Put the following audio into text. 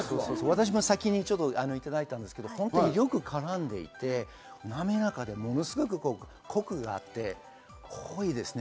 私も先にいただいたんですけど、よく絡んでいて、滑らかで、ものすごくコクがあって、濃いですね。